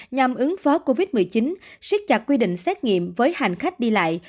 nhằm ứng phó covid một mươi chín siết chặt quy định xét nghiệm với hành khách đi lại